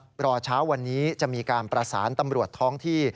รอเช้าวันนี้จะมีการประสานตำรวจท้องที่